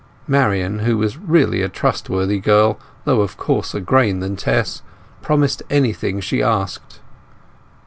Marian, who was really a trustworthy girl though of coarser grain than Tess, promised anything she asked.